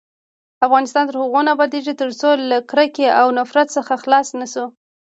افغانستان تر هغو نه ابادیږي، ترڅو له کرکې او نفرت څخه خلاص نشو.